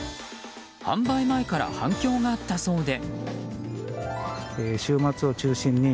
販売前から反響があったそうで。